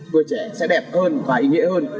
vừa trẻ sẽ đẹp hơn và ý nghĩa hơn